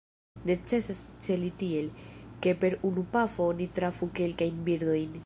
Necesas celi tiel, ke per unu pafo oni trafu kelkajn birdojn.